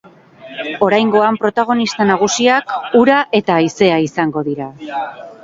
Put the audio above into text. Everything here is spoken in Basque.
Oraingoan, protagonista nagusiak ura eta haizea izango dira.